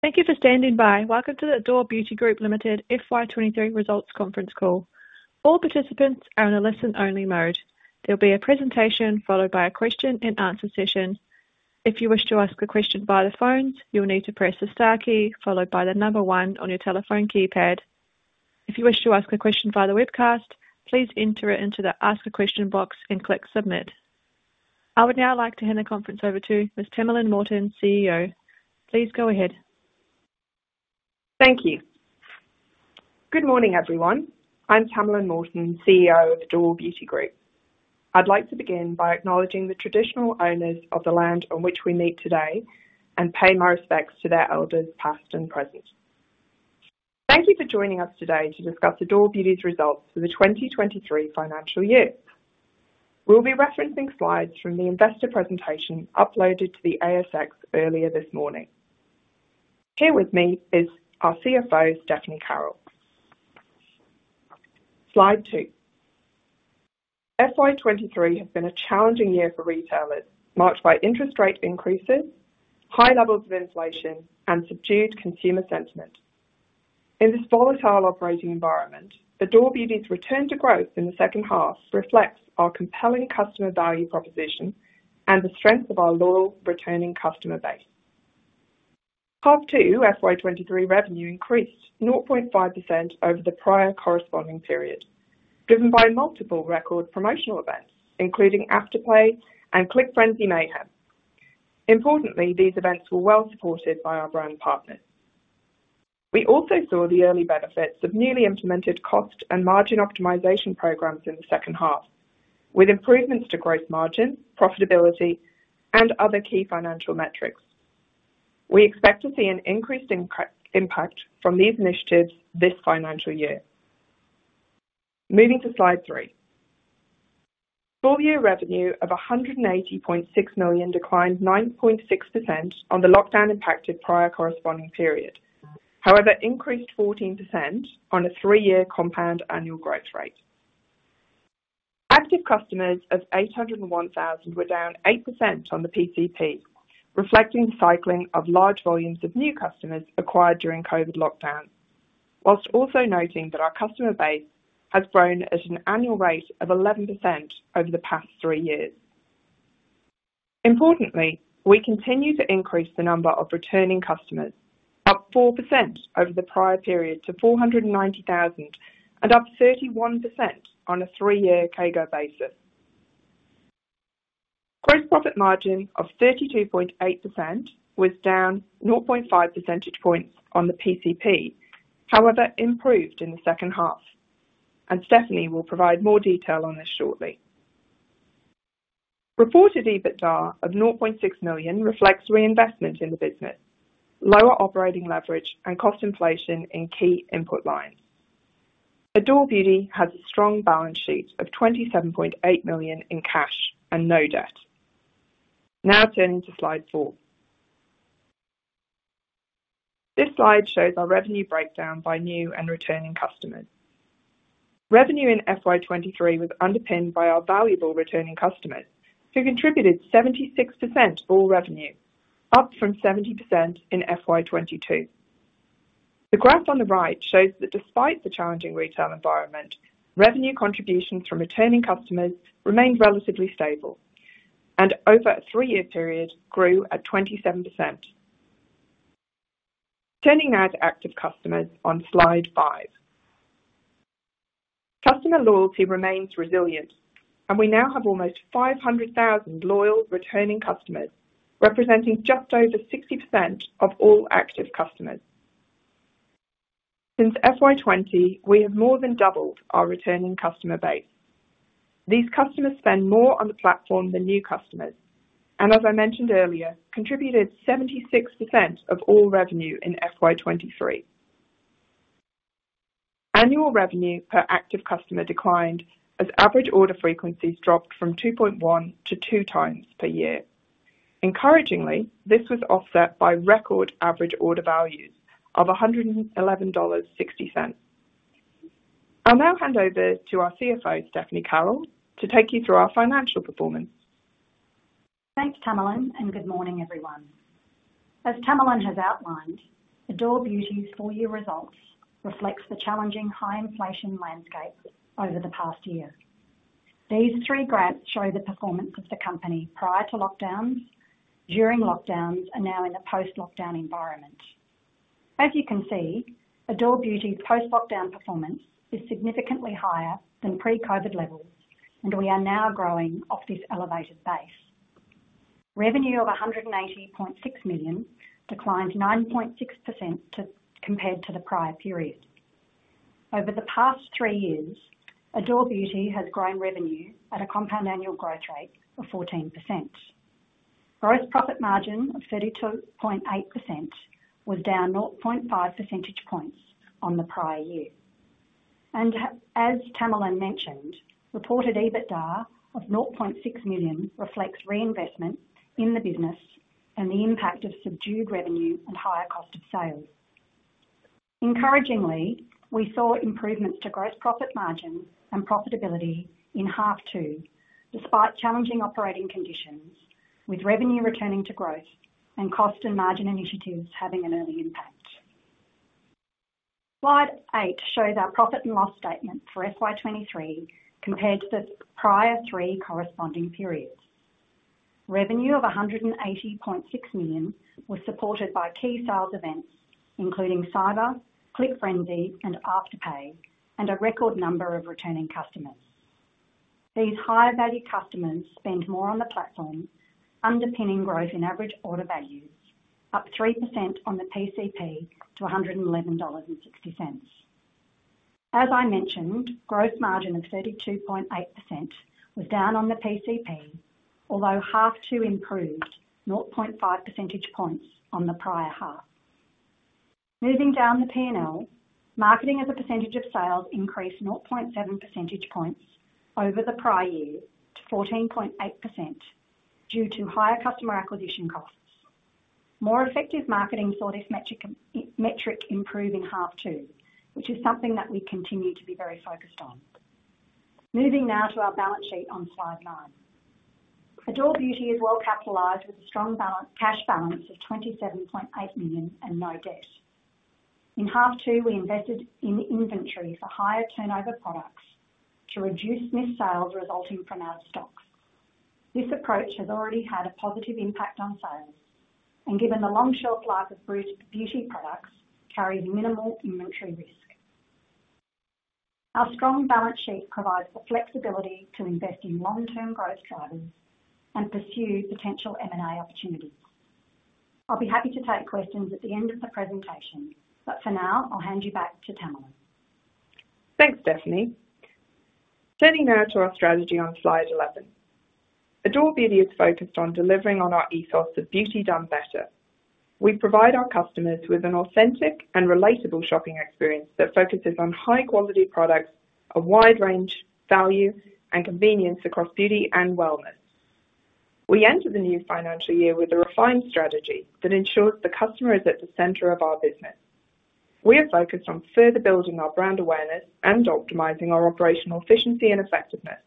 Thank you for standing by. Welcome to the Adore Beauty Group Limited FY 2023 results conference call. All participants are on a listen-only mode. There will be a presentation followed by a question-and-answer session. If you wish to ask a question via the phone, you will need to press the star key followed by the 1 on your telephone keypad. If you wish to ask a question via the webcast, please enter it into the Ask a Question box and click Submit. I would now like to hand the conference over to Ms. Tamalin Morton, CEO. Please go ahead. Thank you. Good morning, everyone. I'm Tamalin Morton, CEO of Adore Beauty Group. I'd like to begin by acknowledging the traditional owners of the land on which we meet today and pay my respects to their elders, past and present. Thank you for joining us today to discuss Adore Beauty's results for the 2023 financial year. We'll be referencing slides from the investor presentation uploaded to the ASX earlier this morning. Here with me is our CFO, Stephanie Carroll. Slide two. FY 2023 has been a challenging year for retailers, marked by interest rate increases, high levels of inflation, and subdued consumer sentiment. In this volatile operating environment, Adore Beauty's return to growth in the second half reflects our compelling customer value proposition and the strength of our loyal, returning customer base. Part two, FY 2023 revenue increased 0.5% over the PCP, driven by multiple record promotional events, including Afterpay and Click Frenzy Mayhem. Importantly, these events were well supported by our brand partners. We also saw the early benefits of newly implemented cost and margin optimization programs in the second half, with improvements to gross margin, profitability, and other key financial metrics. We expect to see an increased impact from these initiatives this financial year. Moving to slide three. Full-year revenue of 180.6 million declined 9.6% on the lockdown-impacted prior corresponding period. Increased 14% on a three-year compound annual growth rate. Active customers of 801,000 were down 8% on the PCP, reflecting the cycling of large volumes of new customers acquired during COVID lockdowns, whilst also noting that our customer base has grown at an annual rate of 11% over the past three years. Importantly, we continue to increase the number of returning customers, up 4% over the prior period to 490,000, and up 31% on a three-year CAGR basis. Gross profit margin of 32.8% was down 0.5 percentage points on the PCP, however, improved in the second half, and Stephanie will provide more detail on this shortly. Reported EBITDA of 0.6 million reflects reinvestment in the business, lower operating leverage, and cost inflation in key input lines. Adore Beauty has a strong balance sheet of 27.8 million in cash and no debt. Now turning to slide four. This slide shows our revenue breakdown by new and returning customers. Revenue in FY 2023 was underpinned by our valuable returning customers, who contributed 76% of all revenue, up from 70% in FY 2022. The graph on the right shows that despite the challenging retail environment, revenue contributions from returning customers remained relatively stable and, over a three-year period, grew at 27%. Turning now to active customers on slide five. Customer loyalty remains resilient, and we now have almost 500,000 loyal, returning customers, representing just over 60% of all active customers. Since FY 2020, we have more than doubled our returning customer base. These customers spend more on the platform than new customers and, as I mentioned earlier, contributed 76% of all revenue in FY 2023. Annual revenue per active customer declined as average order frequencies dropped from 2.1x to 2x per year. Encouragingly, this was offset by record average order values of 111.60 dollars. I'll now hand over to our CFO, Stephanie Carroll, to take you through our financial performance. Thanks, Tamalin, and good morning, everyone. As Tamalin has outlined, Adore Beauty's full-year results reflects the challenging high inflation landscape over the past year. These three graphs show the performance of the company prior to lockdowns, during lockdowns, and now in a post-lockdown environment. As you can see, Adore Beauty's post-lockdown performance is significantly higher than pre-COVID levels, and we are now growing off this elevated base. Revenue of 180.6 million declined 9.6% compared to the prior period. Over the past three years, Adore Beauty has grown revenue at a compound annual growth rate of 14%. Gross profit margin of 32.8% was down 0.5 percentage points on the prior year. As Tamalin mentioned, reported EBITDA of 0.6 million reflects reinvestment in the business and the impact of subdued revenue and higher cost of sales. Encouragingly, we saw improvements to gross profit margin and profitability in half two, despite challenging operating conditions, with revenue returning to growth and cost and margin initiatives having an early impact. Slide eight shows our P&L statement for FY 2023 compared to the prior three corresponding periods. Revenue of 180.6 million was supported by key sales events, including Cyber, Click Frenzy, and Afterpay, and a record number of returning customers. These higher-value customers spend more on the platform, underpinning growth in average order values, up 3% on the PCP to 111.60 dollars. As I mentioned, gross margin of 32.8% was down on the PCP, although half two improved 0.5 percentage points on the prior half. Moving down the P&L, marketing as a percentage of sales increased 0.7 percentage points over the prior year to 14.8% due to higher customer acquisition costs. More effective marketing saw this metric improve in half two, which is something that we continue to be very focused on. Moving now to our balance sheet on slide nine. Adore Beauty is well capitalized, with a strong cash balance of 27.8 million and no debt. In half two, we invested in inventory for higher turnover products to reduce missed sales resulting from out of stocks. This approach has already had a positive impact on sales. Given the long shelf life of beauty, beauty products, carries minimal inventory risk. Our strong balance sheet provides the flexibility to invest in long-term growth drivers and pursue potential M&A opportunities. I'll be happy to take questions at the end of the presentation. For now, I'll hand you back to Tamalin. Thanks, Stephanie. Turning now to our strategy on slide 11. Adore Beauty is focused on delivering on our ethos of beauty done better. We provide our customers with an authentic and relatable shopping experience that focuses on high-quality products, a wide range, value, and convenience across beauty and wellness. We enter the new financial year with a refined strategy that ensures the customer is at the center of our business. We are focused on further building our brand awareness and optimizing our operational efficiency and effectiveness.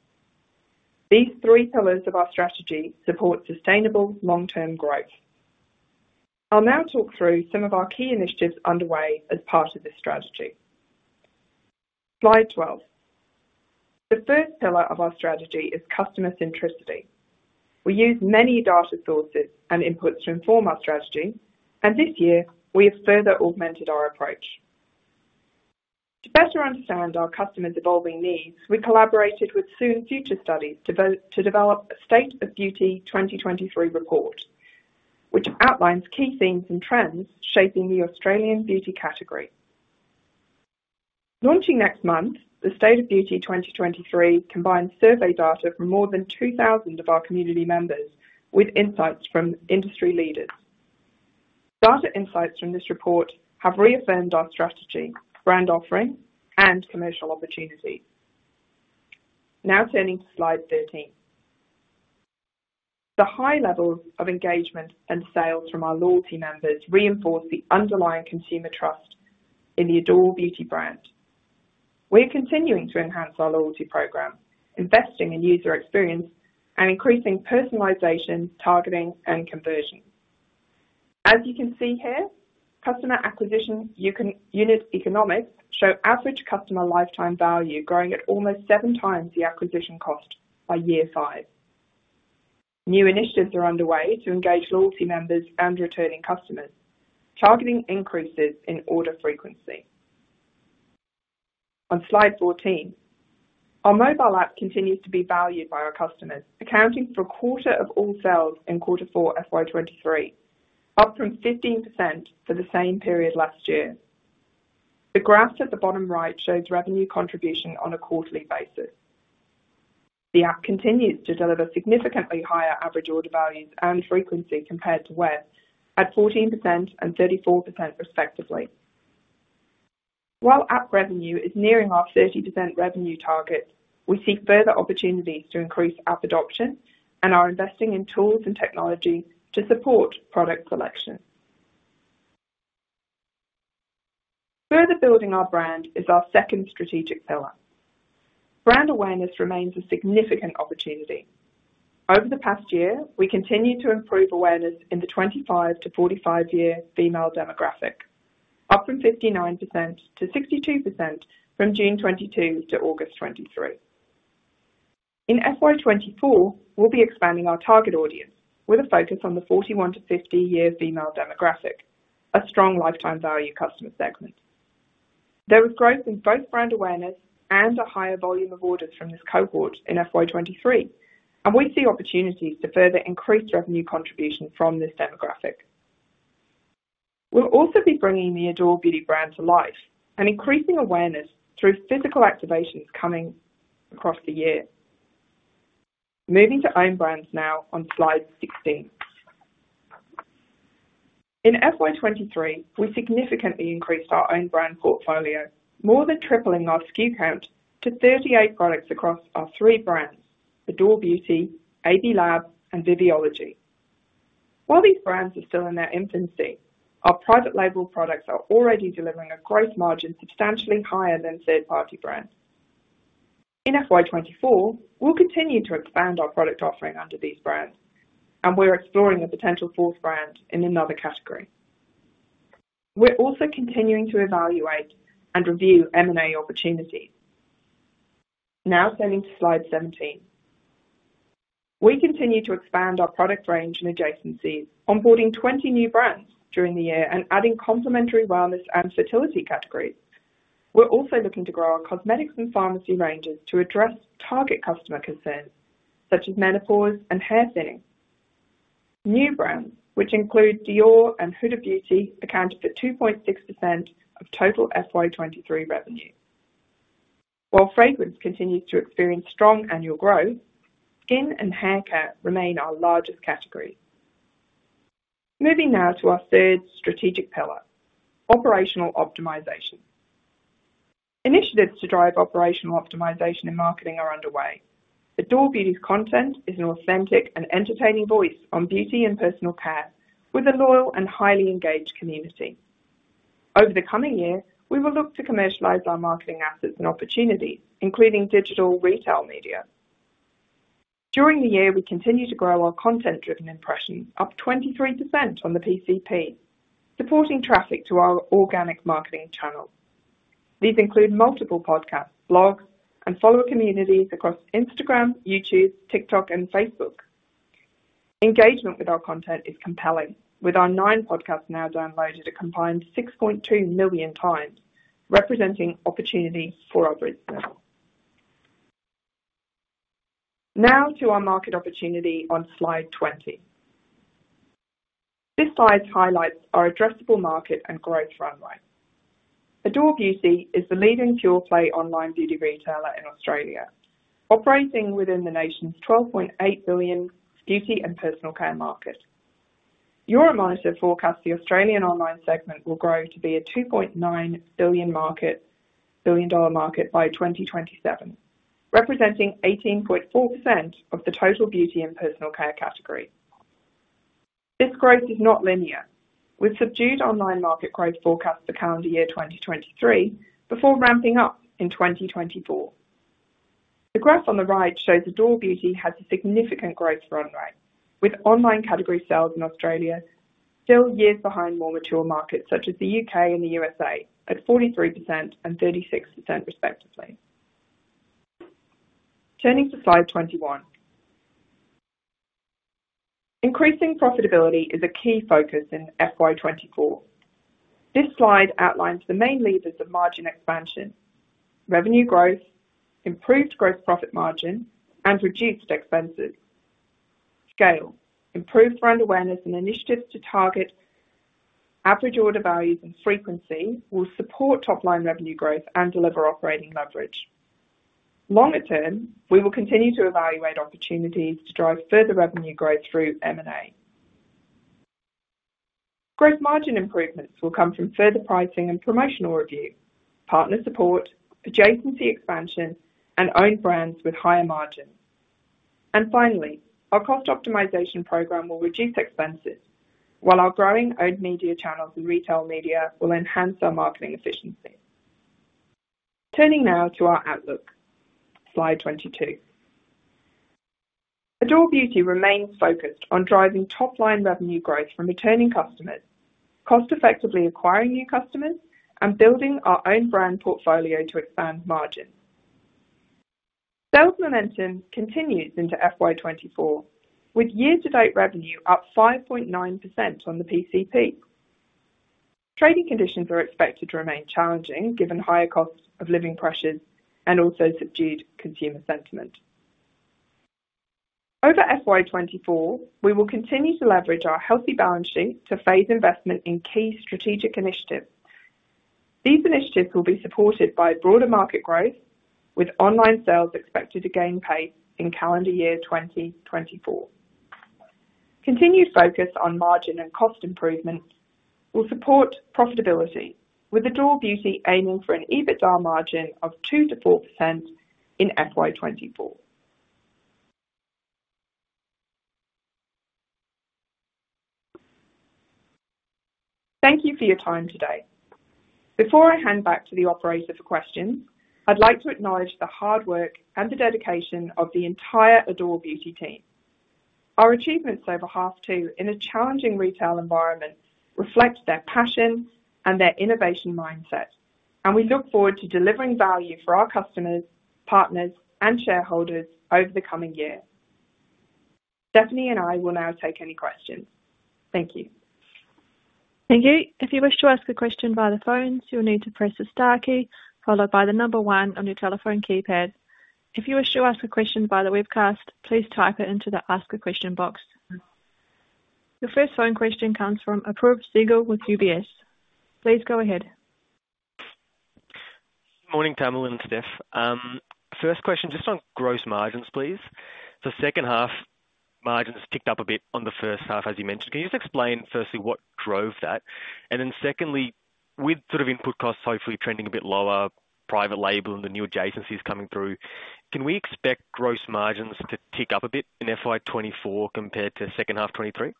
These three pillars of our strategy support sustainable long-term growth. I'll now talk through some of our key initiatives underway as part of this strategy. Slide 12. The first pillar of our strategy is customer centricity. We use many data sources and inputs to inform our strategy, and this year we have further augmented our approach. To better understand our customers' evolving needs, we collaborated with SOON Future Studies to develop The State of Beauty 2023 report, which outlines key themes and trends shaping the Australian beauty category. Launching next month, The State of Beauty 2023 combines survey data from more than 2,000 of our community members with insights from industry leaders. Data insights from this report have reaffirmed our strategy, brand offering, and commercial opportunity. Now turning to slide 13. The high levels of engagement and sales from our loyalty members reinforce the underlying consumer trust in the Adore Beauty brand. We're continuing to enhance our loyalty program, investing in user experience and increasing personalization, targeting, and conversion. As you can see here, customer acquisition unit economics show average customer lifetime value growing at almost seven times the acquisition cost by year five. New initiatives are underway to engage loyalty members and returning customers, targeting increases in order frequency. On slide 14, our mobile app continues to be valued by our customers, accounting for 1/4 of all sales in quarter four FY 2023, up from 15% for the same period last year. The graph at the bottom right shows revenue contribution on a quarterly basis. The app continues to deliver significantly higher average order values and frequency compared to web, at 14% and 34% respectively. While app revenue is nearing our 30% revenue target, we see further opportunities to increase app adoption and are investing in tools and technology to support product selection. Further building our brand is our second strategic pillar. Brand awareness remains a significant opportunity. Over the past year, we continued to improve awareness in the 25-45-year female demographic, up from 59% to 62% from June 2022 to August 2023. In FY 2024, we'll be expanding our target audience with a focus on the 41-50-year female demographic, a strong lifetime value customer segment. There was growth in both brand awareness and a higher volume of orders from this cohort in FY 2023, and we see opportunities to further increase revenue contribution from this demographic. We'll also be bringing the Adore Beauty brand to life and increasing awareness through physical activations coming across the year. Moving to own brands now on slide 16. In FY 2023, we significantly increased our own brand portfolio, more than tripling our SKU count to 38 products across our three brands, Adore Beauty, AB Lab, and Viviology. While these brands are still in their infancy, our private label products are already delivering a growth margin substantially higher than third-party brands. In FY 2024, we'll continue to expand our product offering under these brands. We're exploring a potential fourth brand in another category. We're also continuing to evaluate and review M&A opportunities. Now turning to slide 17. We continue to expand our product range and adjacencies, onboarding 20 new brands during the year and adding complementary wellness and fertility categories. We're also looking to grow our cosmetics and pharmacy ranges to address target customer concerns, such as menopause and hair thinning. New brands, which include Dior and Huda Beauty, accounted for 2.6% of total FY 2023 revenue. While fragrance continues to experience strong annual growth, skin and hair care remain our largest category. Moving now to our third strategic pillar, operational optimization. Initiatives to drive operational optimization and marketing are underway. Adore Beauty's content is an authentic and entertaining voice on beauty and personal care, with a loyal and highly engaged community. Over the coming year, we will look to commercialize our marketing assets and opportunities, including digital retail media. During the year, we continued to grow our content-driven impressions, up 23% on the PCP, supporting traffic to our organic marketing channels. These include multiple podcasts, blogs, and follower communities across Instagram, YouTube, TikTok, and Facebook. Engagement with our content is compelling, with our nine podcasts now downloaded a combined 6.2 million times, representing opportunity for our business. To our market opportunity on slide 20. This slide highlights our addressable market and growth runway. Adore Beauty is the leading pure-play online beauty retailer in Australia, operating within the nation's 12.8 billion beauty and personal care market. Euromonitor forecasts the Australian online segment will grow to be an 2.9 billion market by 2027, representing 18.4% of the total beauty and personal care category. This growth is not linear, with subdued online market growth forecast for calendar year 2023, before ramping up in 2024. The graph on the right shows Adore Beauty has a significant growth runway, with online category sales in Australia still years behind more mature markets, such as the U.K. and the U.S.A., at 43% and 36% respectively. Turning to slide 21. Increasing profitability is a key focus in FY 2024. This slide outlines the main levers of margin expansion, revenue growth, improved gross profit margin, and reduced expenses. Scale, improved brand awareness, and initiatives to target average order values and frequency will support top-line revenue growth and deliver operating leverage. Longer term, we will continue to evaluate opportunities to drive further revenue growth through M&A. Growth margin improvements will come from further pricing and promotional review, partner support, adjacency expansion, and own brands with higher margins. Finally, our cost optimization program will reduce expenses, while our growing owned media channels and retail media will enhance our marketing efficiency. Turning now to our outlook. Slide 22. Adore Beauty remains focused on driving top-line revenue growth from returning customers, cost effectively acquiring new customers, and building our own brand portfolio to expand margin. Sales momentum continues into FY 2024, with year-to-date revenue up 5.9% on the PCP. Trading conditions are expected to remain challenging, given higher costs of living pressures and also subdued consumer sentiment. Over FY 2024, we will continue to leverage our healthy balance sheet to phase investment in key strategic initiatives. These initiatives will be supported by broader market growth, with online sales expected to gain pace in calendar year 2024. Continued focus on margin and cost improvements will support profitability, with Adore Beauty aiming for an EBITDA margin of 2%-4% in FY 2024. Thank you for your time today. Before I hand back to the operator for questions, I'd like to acknowledge the hard work and the dedication of the entire Adore Beauty team. Our achievements over half two in a challenging retail environment reflect their passion and their innovation mindset. We look forward to delivering value for our customers, partners, and shareholders over the coming year. Stephanie and I will now take any questions. Thank you. Thank you. If you wish to ask a question by the phones, you'll need to press the star key followed by the number one on your telephone keypad. If you wish to ask a question by the webcast, please type it into the Ask a Question box. Your first phone question comes from Apoorv Sehgal with UBS. Please go ahead. Morning, Tamalin and Steph. First question, just on gross margins, please. The second half margins ticked up a bit on the first half, as you mentioned. Can you just explain firstly, what drove that? Secondly, with sort of input costs hopefully trending a bit lower, private label and the new adjacencies coming through, can we expect gross margins to tick up a bit in FY 2024 compared to second half 2023?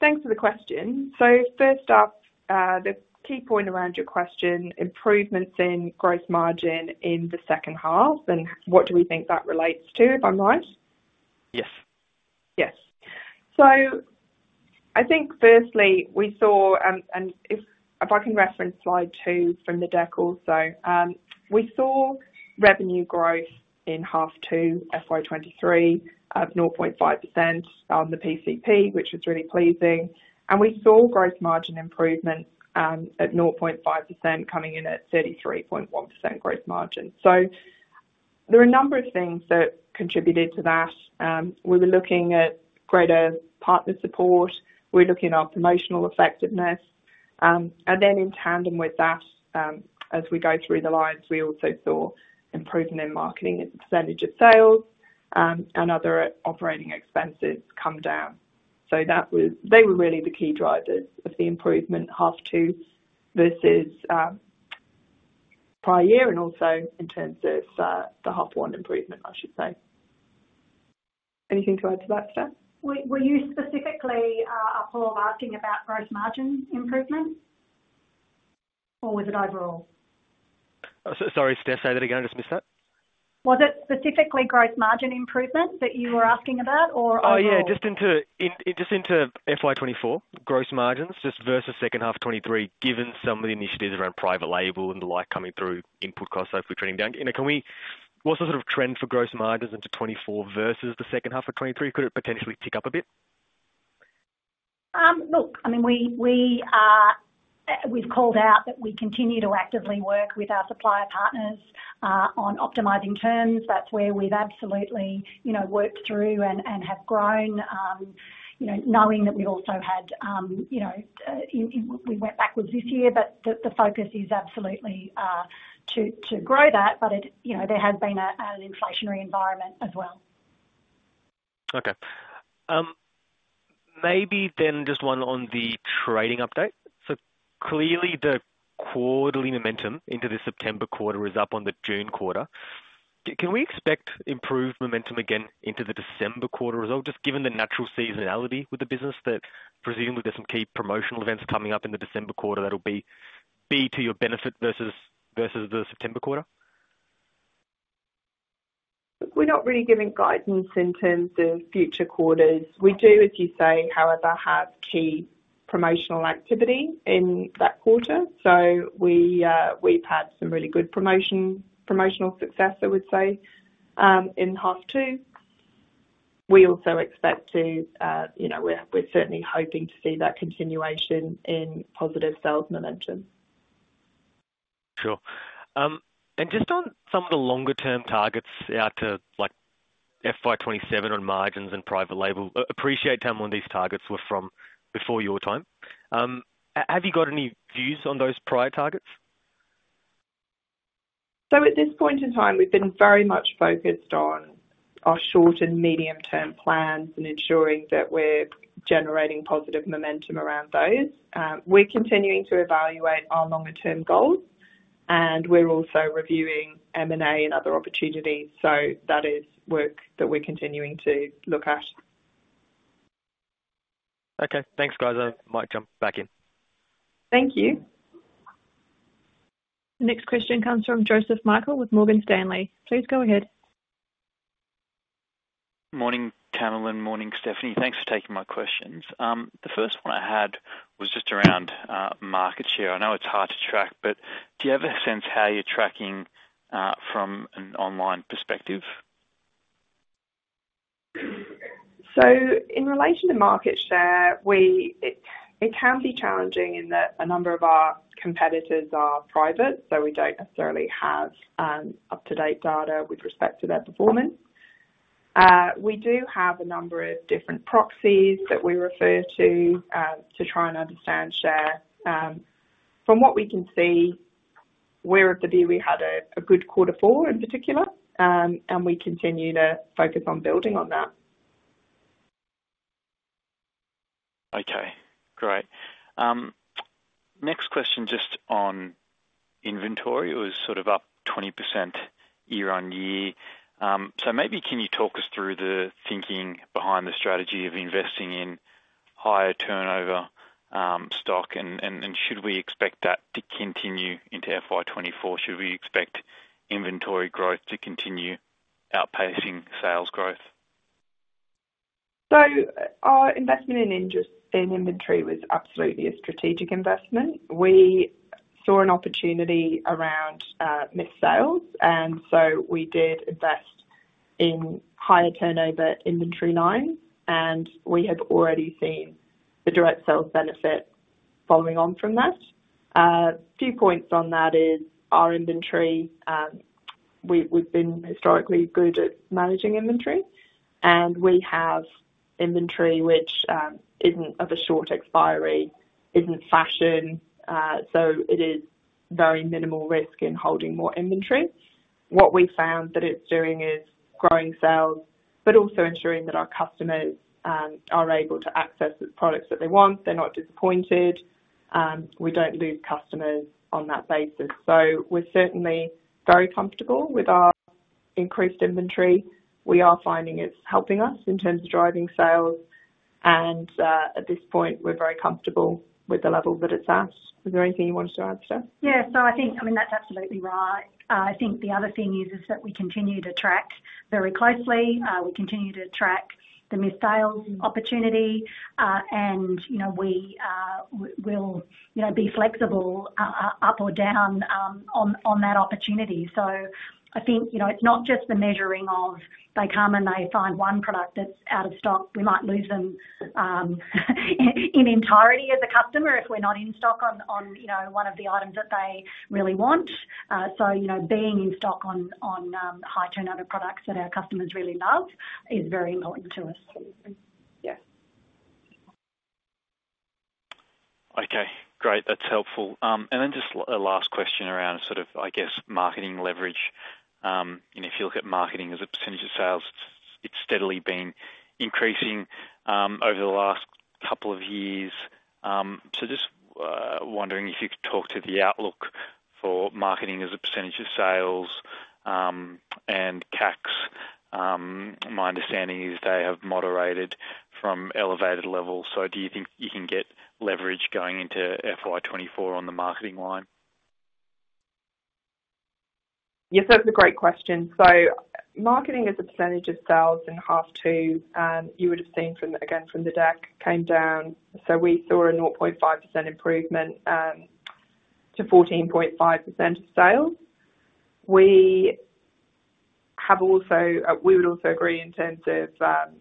Thanks for the question. First up, the key point around your question: improvements in gross margin in the second half, and what do we think that relates to, if I'm right? Yes. Yes. I think firstly, we saw, and if, if I can reference slide two from the deck also. We saw revenue growth in half two, FY 2023 of 0.5% on the PCP, which was really pleasing. We saw gross margin improvement, at 0.5%, coming in at 33.1% gross margin. There are a number of things that contributed to that. We were looking at greater partner support. We're looking at our promotional effectiveness. And then in tandem with that, as we go through the lines, we also saw improvement in marketing as a percentage of sales, and other operating expenses come down. That was, they were really the key drivers of the improvement in half two versus prior year and also in terms of the half one improvement, I should say. Anything to add to that, Steph? Were, were you specifically, Paul, asking about gross margin improvements or was it overall? Sorry, Steph, say that again. I just missed that. Was it specifically gross margin improvement that you were asking about or overall? Oh, yeah, just into FY 2024 gross margins, just versus second half 2023, given some of the initiatives around private label and the like coming through input costs hopefully trending down. You know, what's the sort of trend for gross margins into 2024 versus the second half of 2023? Could it potentially tick up a bit? I mean, we, we've called out that we continue to actively work with our supplier partners on optimizing terms. That's where we've absolutely, you know, worked through and, and have grown, you know, knowing that we also had. We went backwards this year, but the focus is absolutely to grow that. It, you know, there has been an inflationary environment as well. Okay. Maybe just one on the trading update. So clearly the quarterly momentum into the September quarter is up on the June quarter. Can we expect improved momentum again into the December quarter as well, just given the natural seasonality with the business, that presumably there's some key promotional events coming up in the December quarter that'll be, be to your benefit versus, versus the September quarter? We're not really giving guidance in terms of future quarters. We do, as you say, however, have key promotional activity in that quarter. We've had some really good promotion, promotional success, I would say, in half two. We also expect to, you know, we're, we're certainly hoping to see that continuation in positive sales momentum. Sure. And just on some of the longer-term targets out to like FY 2027 on margins and private label, I appreciate, Tamalin, these targets were from before your time. Have you got any views on those prior targets? At this point in time, we've been very much focused on our short and medium-term plans and ensuring that we're generating positive momentum around those. We're continuing to evaluate our longer-term goals, and we're also reviewing M&A and other opportunities. That is work that we're continuing to look at. Okay. Thanks, guys. I might jump back in. Thank you. Next question comes from Joseph Michael with Morgan Stanley. Please go ahead. Morning, Tamalin, and morning, Stephanie. Thanks for taking my questions. The first one I had was just around market share. I know it's hard to track, but do you have a sense how you're tracking from an online perspective? In relation to market share, it, it can be challenging in that a number of our competitors are private, so we don't necessarily have up-to-date data with respect to their performance. We do have a number of different proxies that we refer to to try and understand share. From what we can see, we're of the view we had a, a good quarter four in particular, and we continue to focus on building on that. Okay, great. Next question, just on inventory, it was sort of up 20% year-on-year. Maybe can you talk us through the thinking behind the strategy of investing in higher turnover, stock? And, and should we expect that to continue into FY 2024? Should we expect inventory growth to continue outpacing sales growth? Our investment in inventory was absolutely a strategic investment. We saw an opportunity around missed sales, and so we did invest in higher turnover inventory lines, and we have already seen the direct sales benefit following on from that. A few points on that is our inventory, we, we've been historically good at managing inventory, and we have inventory which isn't of a short expiry, isn't fashion, so it is very minimal risk in holding more inventory. What we found that it's doing is growing sales, but also ensuring that our customers are able to access the products that they want. They're not disappointed, we don't lose customers on that basis. We're certainly very comfortable with our increased inventory. We are finding it's helping us in terms of driving sales, and, at this point, we're very comfortable with the level that it's at. Is there anything you wanted to add, Steph? Yes, so I think, I mean, that's absolutely right. I think the other thing is, is that we continue to track very closely. We continue to track the missed sales opportunity, and, you know, we, we'll, you know, be flexible, up or down, on, on that opportunity. I think, you know, it's not just the measuring of they come, and they find one product that's out of stock. We might lose them, in, in entirety as a customer if we're not in stock on, on, you know, one of the items that they really want. You know, being in stock on, on, high-turnover products that our customers really love is very important to us. Yeah. Okay, great. That's helpful. Just a last question around sort of, I guess, marketing leverage. If you look at marketing as a percentage of sales, it's steadily been increasing, over the last couple of years. Just wondering if you could talk to the outlook for marketing as a percentage of sales, and CACs. My understanding is they have moderated from elevated levels, so do you think you can get leverage going into FY 2024 on the marketing line? Yes, that's a great question. Marketing as a percentage of sales in half two, you would have seen from, again, from the deck, came down, so we saw a 0.5% improvement to 14.5% of sales. We would also agree in terms of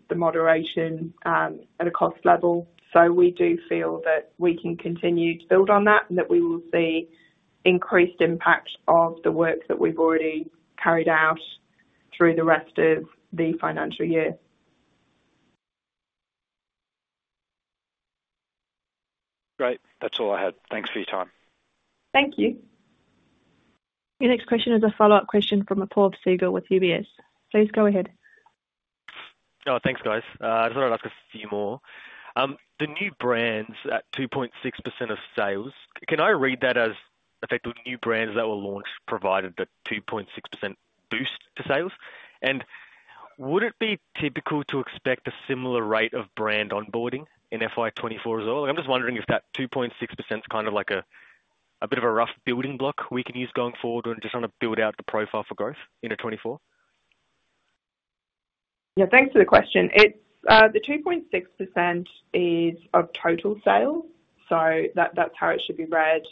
the moderation at a cost level. We do feel that we can continue to build on that, and that we will see increased impact of the work that we've already carried out through the rest of the financial year. Great. That's all I had. Thanks for your time. Thank you. Your next question is a follow-up question from Apoorv Sehgal with UBS. Please go ahead. Oh, thanks, guys. I just wanted to ask a few more. The new brands at 2.6% of sales, can I read that as effectively new brands that were launched provided the 2.6% boost to sales? Would it be typical to expect a similar rate of brand onboarding in FY 2024 as well? I'm just wondering if that 2.6% is kind of like a, a bit of a rough building block we can use going forward or just trying to build out the profile for growth into 2024. Yeah, thanks for the question. It's the 2.6% is of total sales, so that-that's how it should be read.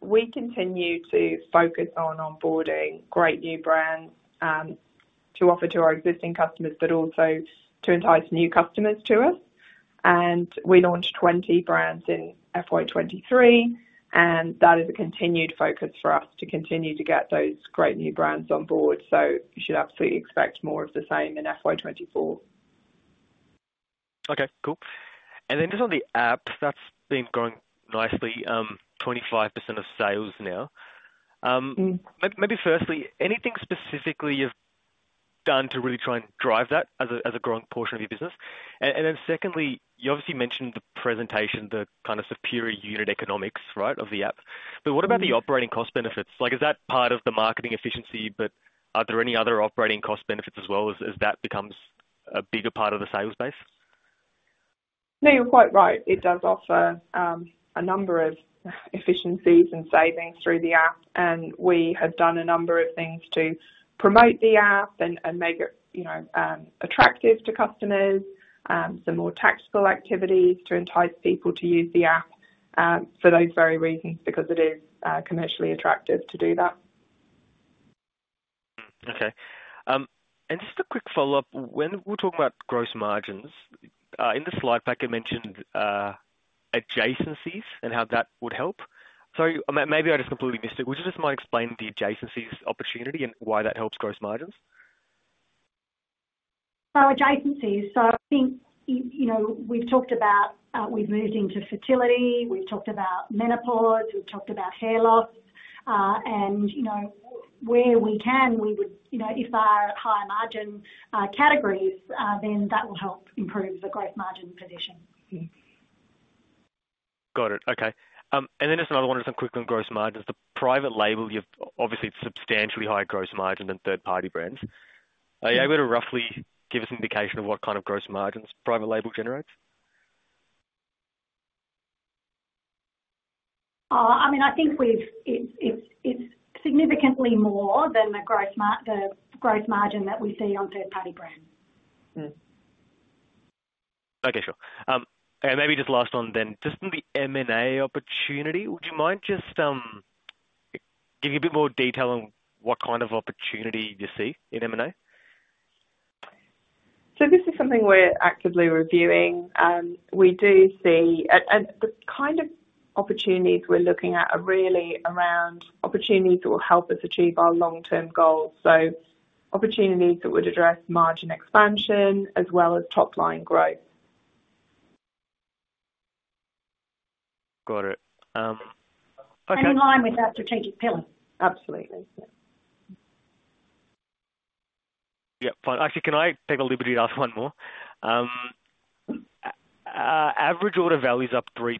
We continue to focus on onboarding great new brands to offer to our existing customers, but also to entice new customers to us. We launched 20 brands in FY 2023, and that is a continued focus for us to continue to get those great new brands on board. You should absolutely expect more of the same in FY 2024. Okay, cool. Just on the app, that's been growing nicely, 25% of sales now. Mm. Maybe firstly, anything specifically you've done to really try and drive that as a, as a growing portion of your business? Then secondly, you obviously mentioned the presentation, the kind of superior unit economics, right, of the app? Mm-hmm. What about the operating cost benefits? Like, is that part of the marketing efficiency, but are there any other operating cost benefits as well as, as that becomes a bigger part of the sales base? No, you're quite right. It does offer a number of efficiencies and savings through the app. We have done a number of things to promote the app and, and make it, you know, attractive to customers. Some more tactical activities to entice people to use the app for those very reasons, because it is commercially attractive to do that. Okay. Just a quick follow-up. When we're talking about gross margins, in the slide pack, you mentioned adjacencies and how that would help. May-maybe I just completely missed it. Would you just mind explaining the adjacencies opportunity and why that helps gross margins? Adjacencies, so I think, you know, we've talked about, we've moved into fertility, we've talked about menopause, we've talked about hair loss. You know, where we can, we would, you know, if there are higher margin, categories, then that will help improve the gross margin position. Got it. Okay. Then just another one, just quick on gross margins. The private label, you've obviously substantially higher gross margin than third-party brands. Are you able to roughly give us an indication of what kind of gross margins private label generates? I mean, I think it's, it's, it's significantly more than the gross margin that we see on third-party brands. Mm. Okay, sure. Maybe just last one then. Just on the M&A opportunity, would you mind just, give a bit more detail on what kind of opportunity you see in M&A? This is something we're actively reviewing, and we do see. Opportunities we're looking at are really around opportunities that will help us achieve our long-term goals, opportunities that would address margin expansion as well as top-line growth. Got it. In line with that strategic pillar? Absolutely. Yeah, fine. Actually, can I take the liberty to ask one more? Average order value is up 3%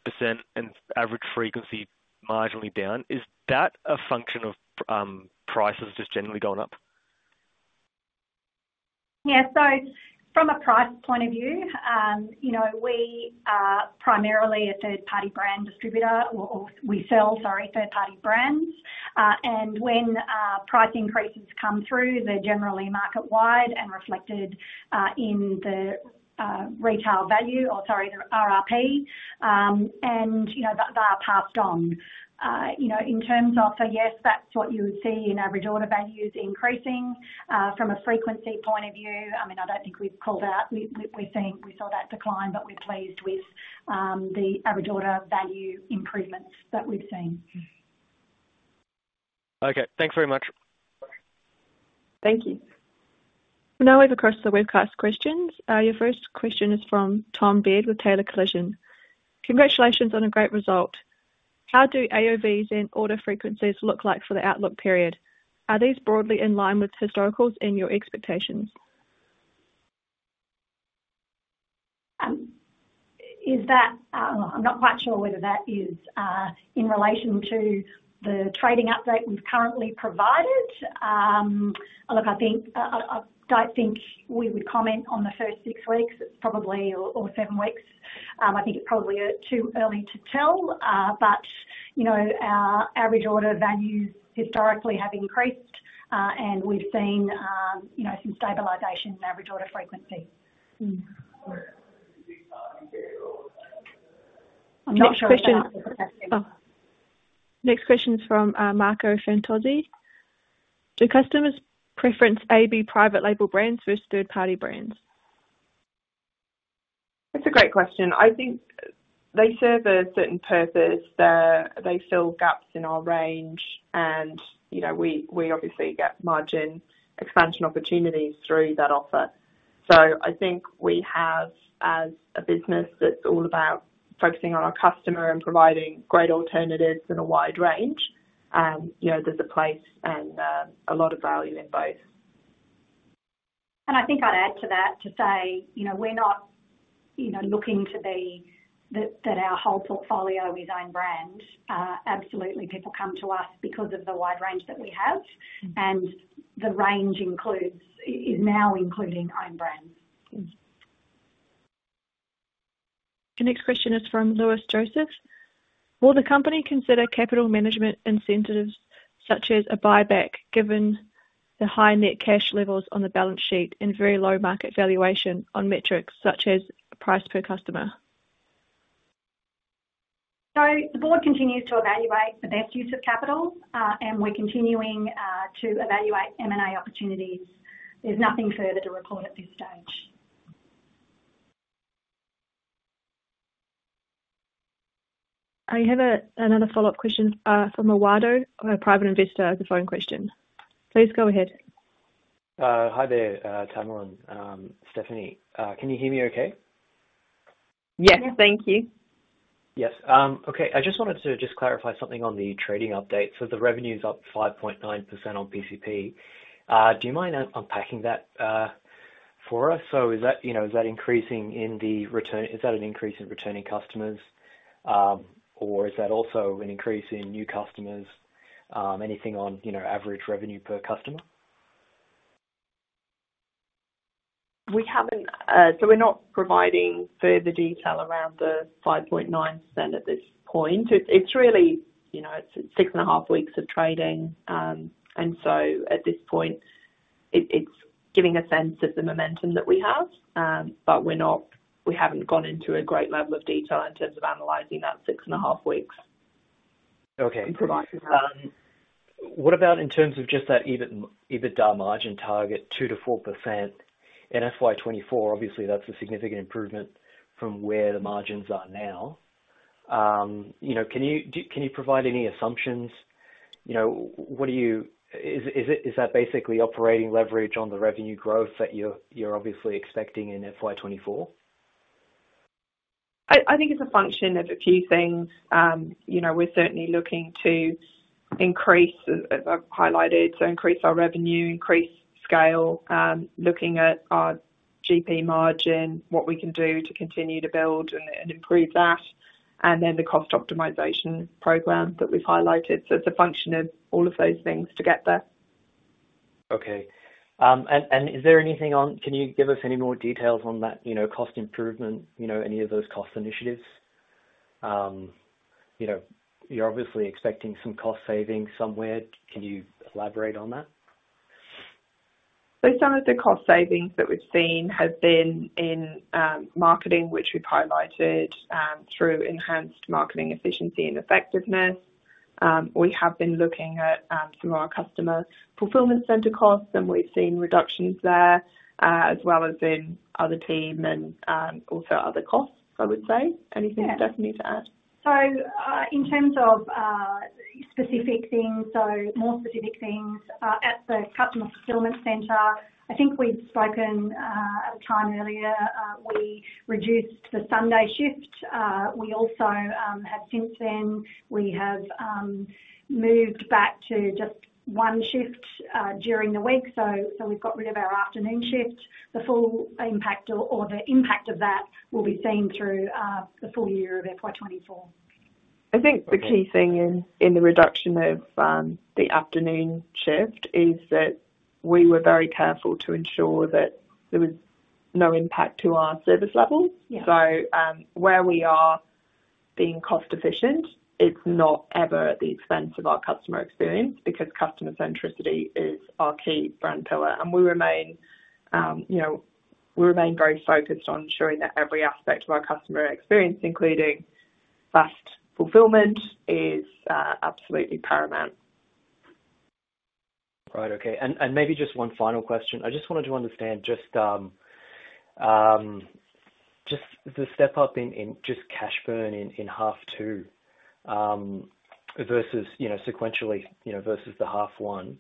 and average frequency marginally down. Is that a function of prices just generally going up? Yeah, from a price point of view, you know, we are primarily a third-party brand distributor, or, or we sell, sorry, third-party brands. When price increases come through, they're generally market-wide and reflected in the retail value or, sorry, the RRP, and, you know, they are passed on. You know, yes, that's what you would see in average order values increasing, from a frequency point of view, I mean, I don't think we've called out. We saw that decline, but we're pleased with the average order value improvements that we've seen. Okay, thanks very much. Thank you. Now over across the webcast questions. Your first question is from Tom Beard with Taylor Collison. Congratulations on a great result. How do AOV and order frequencies look like for the outlook period? Are these broadly in line with historicals and your expectations? Is that, I'm not quite sure whether that is in relation to the trading update we've currently provided. Look, I think, I, I don't think we would comment on the first six weeks, probably, or seven weeks. I think it's probably too early to tell, but, you know, our average order values historically have increased, and we've seen, you know, some stabilization in average order frequency. Mm. Next question. I'm not sure. Oh, next question is from Marco Fantozzi. Do customers preference AB private label brands versus third-party brands? That's a great question. I think they serve a certain purpose there. They fill gaps in our range, and, you know, we, we obviously get margin expansion opportunities through that offer. I think we have, as a business that's all about focusing on our customer and providing great alternatives in a wide range, you know, there's a place and a lot of value in both. I think I'd add to that to say, you know, we're not, you know, looking that our whole portfolio is own brand. Absolutely, people come to us because of the wide range that we have, and the range includes, is now including own brand. The next question is from Lewis Joseph. Will the company consider capital management incentives such as a buyback, given the high net cash levels on the balance sheet and very low market valuation on metrics such as price per customer? The board continues to evaluate the best use of capital, and we're continuing to evaluate M&A opportunities. There's nothing further to report at this stage. I have another follow-up question from Eduardo, a private investor, as a phone question. Please go ahead. Hi there, Tamalin, Stephanie, can you hear me okay? Yes, thank you. Yes, okay. I just wanted to just clarify something on the trading update. The revenue is up 5.9% on PCP. Do you mind unpacking that for us? Is that, you know, is that increasing in the return, is that an increase in returning customers, or is that also an increase in new customers? Anything on, you know, average revenue per customer? We're not providing further detail around the 5.9% at this point. It's, it's really, you know, it's six and a half weeks of trading, and so at this point, it's giving a sense of the momentum that we have, but we haven't gone into a great level of detail in terms of analyzing that six and a half weeks. Okay. Provided. What about in terms of just that EBIT, EBITDA margin target, 2%-4% in FY 2024? Obviously, that's a significant improvement from where the margins are now. You know, can you, can you provide any assumptions? You know, what do you, is that basically operating leverage on the revenue growth that you're, you're obviously expecting in FY 2024? I, I think it's a function of a few things. you know, we're certainly looking to increase, as, as I've highlighted, so increase our revenue, increase scale, looking at our GP margin, what we can do to continue to build and, and improve that, and then the cost optimization program that we've highlighted. It's a function of all of those things to get there. Okay, and is there anything? Can you give us any more details on that, you know, cost improvement, you know, any of those cost initiatives? You know, you're obviously expecting some cost savings somewhere. Can you elaborate on that? Some of the cost savings that we've seen have been in marketing, which we've highlighted through enhanced marketing efficiency and effectiveness. We have been looking at some of our customer fulfillment center costs, and we've seen reductions there, as well as in other team and also other costs, I would say. Anything, Stephanie, to add? In terms of specific things, so more specific things at the customer fulfillment center, I think we've spoken at a time earlier, we reduced the Sunday shift. We also have since then, we have moved back to just one shift during the week. So we've got rid of our afternoon shift. The full impact or, or the impact of that will be seen through the full year of FY 2024. I think the key thing in, in the reduction of the afternoon shift is that we were very careful to ensure that there was no impact to our service levels. Yeah. Where we are being cost-efficient, it's not ever at the expense of our customer experience, because customer centricity is our key brand pillar, and we remain, you know, we remain very focused on ensuring that every aspect of our customer experience, including fast fulfillment, is absolutely paramount. Right. Okay, and maybe just one final question. I just wanted to understand just the step-up in cash burn in half two, versus, you know, sequentially, you know, versus the half one.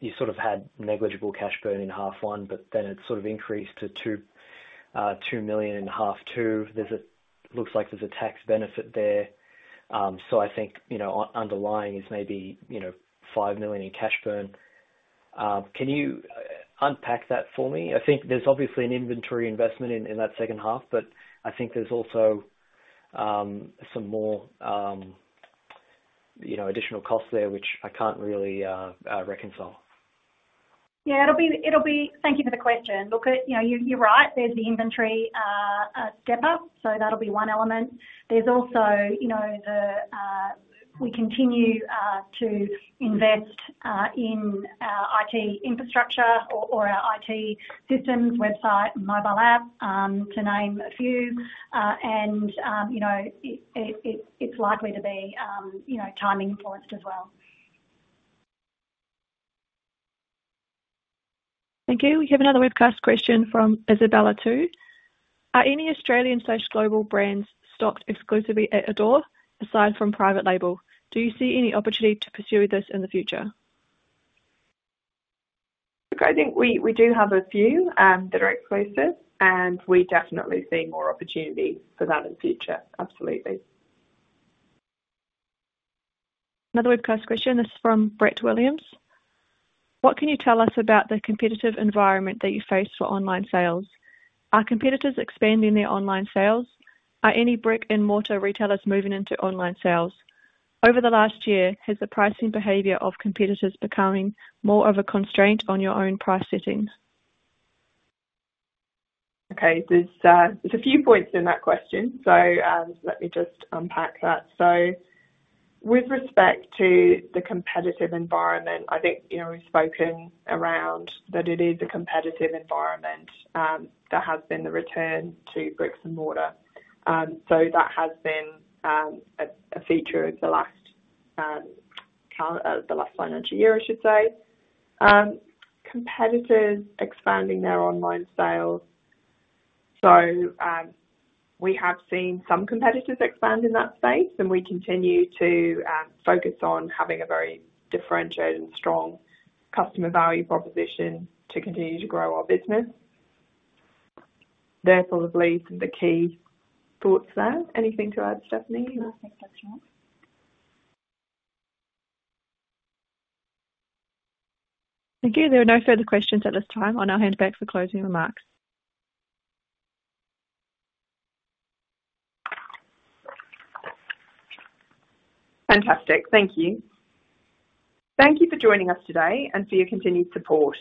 You sort of had negligible cash burn in half one, but then it sort of increased to 2 million in half two. There looks like there's a tax benefit there. So I think, you know, underlying is maybe, you know, 5 million in cash burn. Can you unpack that for me? I think there's obviously an inventory investment in that second half, but I think there's also some more, you know, additional costs there, which I can't really reconcile. Yeah, it'll be, it'll be. Thank you for the question. Look, you know, you're, you're right. There's the inventory, step up, so that'll be one element. There's also, you know, the, we continue to invest in our IT infrastructure or, or our IT systems, website, and mobile app, to name a few. You know, it, it, it's likely to be, you know, timing influenced as well. Thank you. We have another webcast question from Isabella too. Are any Australian/global brands stocked exclusively at Adore aside from private label? Do you see any opportunity to pursue this in the future? Look, I think we, we do have a few, that are exclusive, and we definitely see more opportunity for that in the future. Absolutely. Another webcast question. This is from Brett Williams. What can you tell us about the competitive environment that you face for online sales? Are competitors expanding their online sales? Are any brick-and-mortar retailers moving into online sales? Over the last year, has the pricing behavior of competitors becoming more of a constraint on your own price settings? Okay. There's a few points in that question. Let me just unpack that. With respect to the competitive environment, I think, you know, we've spoken around that it is a competitive environment, there has been the return to bricks and mortar. That has been a feature of the last financial year, I should say. Competitors expanding their online sales. We have seen some competitors expand in that space, and we continue to focus on having a very differentiated and strong customer value proposition to continue to grow our business. They're sort of leads the key thoughts there. Anything to add, Stephanie? No, thanks, that's right. Thank you. There are no further questions at this time. I now hand back for closing remarks. Fantastic. Thank you. Thank you for joining us today and for your continued support.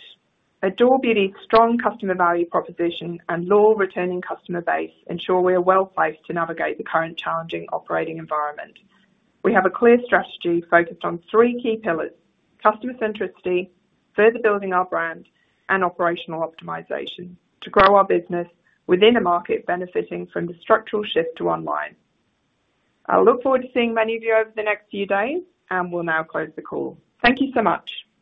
Adore Beauty's strong customer value proposition and loyal returning customer base ensure we are well placed to navigate the current challenging operating environment. We have a clear strategy focused on three key pillars: customer centricity, further building our brand, and operational optimization to grow our business within a market benefiting from the structural shift to online. I look forward to seeing many of you over the next few days, and we'll now close the call. Thank you so much.